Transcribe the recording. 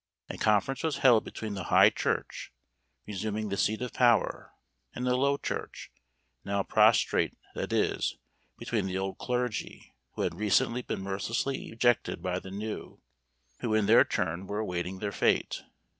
A conference was held between the high church, resuming the seat of power, and the low church, now prostrate; that is, between the old clergy who had recently been mercilessly ejected by the new, who in their turn were awaiting their fate.